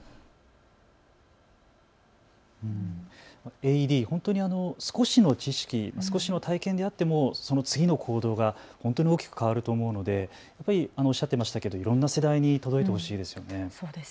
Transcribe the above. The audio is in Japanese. ＡＥＤ、本当に少しの知識、少しの体験であってもその次の行動が本当に大きく変わると思うのでやっぱりおっしゃってましたけどいろんな世代に届いてほしいですよね。